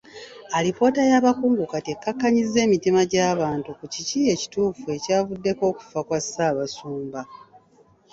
Alipoota y'abakungu kati ekkakkanyizza emitima gy'abantu ku kiki ekituufu ekyavuddeko okufa kwa Ssaabasumba.